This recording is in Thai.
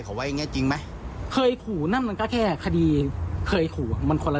ของไว้เนี่ยจริงไหมเคยขู่นั่นมันก็แค่คดีเคยขู่มันคนละ